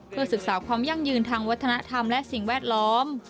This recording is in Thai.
เพื่อศึกษาความยั่งยืนทางวัฒนธรรมและสิ่งแวดล้อม